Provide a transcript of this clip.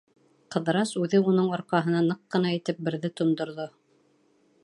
Ҡыҙырас үҙе уның арҡаһына ныҡ ҡына итеп берҙе тондорҙо.